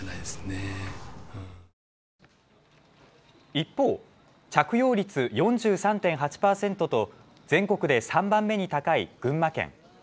一方、着用率４３．８％と全国で３番目に高い群馬県。